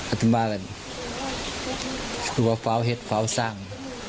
อัตตมะก็คือว่าเฝ้าเหตุเฝ้าสร้าง